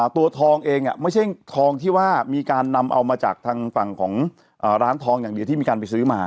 ตัวทองเองไม่ใช่ทองที่ว่ามีการนำเอามาจากทางฝั่งของร้านทองอย่างเดียวที่มีการไปซื้อมา